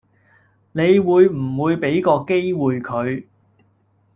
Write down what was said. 你會唔會比個機會佢